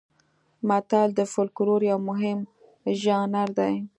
متل د فولکلور یو مهم ژانر دی